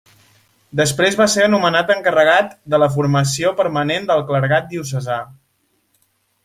Després va ser nomenat encarregat de la formació permanent del clergat diocesà.